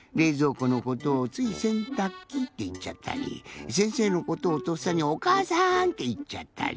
このことをついせんたくきっていっちゃったりせんせいのことをとっさにおかあさん！っていっちゃったり。